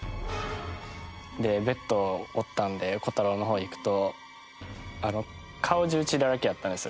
でベッドおったんで彪太郎の方行くと顔中血だらけやったんすよ